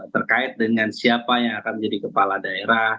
terkait dengan siapa yang akan menjadi kepala daerah